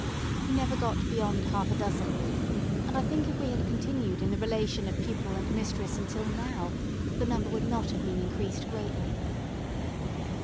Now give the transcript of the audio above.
He never got beyond half a dozen; and I think if we had continued in the relation of pupil and mistress until now, the number would not have been increased greatly.